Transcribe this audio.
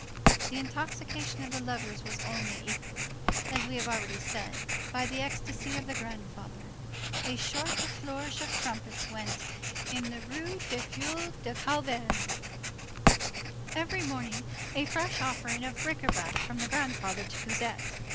The intoxication of the lovers was only equalled, as we have already said, by the ecstasy of the grandfather. A sort of flourish of trumpets went on in the Rue des Filles du Calvaire. Every morning, a fresh offering of bric à brac from the grandfather to Cosette.